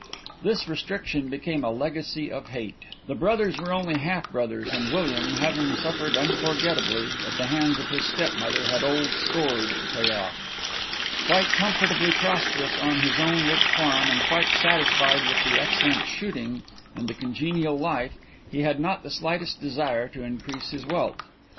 This restriction became a legacy of hate. The brothers were only half brothers and William having suffered unforgettably at the hands of his step mother had old scores to pay off. Quite comfortably prosperous on his own rich farm, and quite satisfied with the excellent shooting and the congenial life, he had not the slightest desire to increase his wealth.